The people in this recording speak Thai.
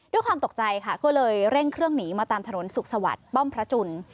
ด้วยความตกใจค่ะก็เลยเร่งเครื่องหนีมาตามถนนสุขสวัสดิ์ป้อมพระจุล